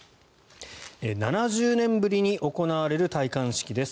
７０年ぶりに行われる戴冠式です。